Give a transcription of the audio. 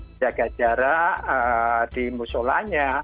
menjaga jarak di musolanya